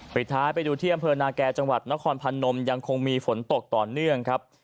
ปิดท้ายไปดูที่อำเภอนาแก่จังหวัดนครพนมยังคงมีฝนตกต่อเนื่องครับ